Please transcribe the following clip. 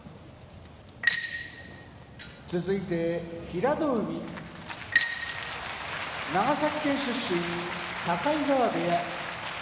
平戸海長崎県出身境川部屋